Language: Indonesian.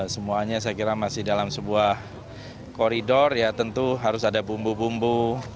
semuanya saya kira masih dalam sebuah koridor ya tentu harus ada bumbu bumbu